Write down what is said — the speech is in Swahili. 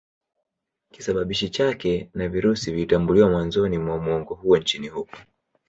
kisababishi chake Virusi kilitambuliwa mwanzoni mwa muongo huo nchini huko